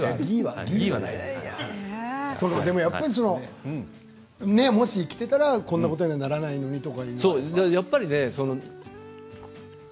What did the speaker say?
でも、やっぱりもし生きていたらこんなことにはならないのにとか。